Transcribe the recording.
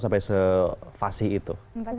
sampai se fasi itu